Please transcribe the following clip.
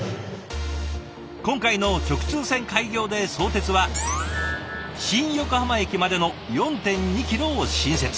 今回の直通線開業で相鉄は新横浜駅までの４．２ｋｍを新設。